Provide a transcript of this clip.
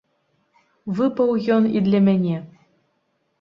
Выпаў ён і для мяне.